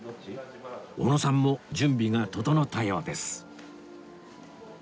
おのさんも準備が整ったようです